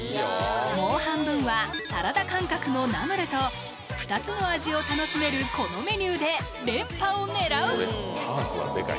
もう半分はサラダ感覚のナムルと２つの味を楽しめるこのメニューで連覇を狙う！